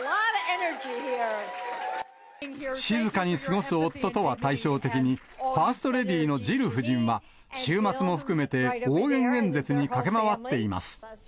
静かに過ごす夫とは対照的に、ファーストレディーのジル夫人は、週末も含めて応援演説に駆け回っています。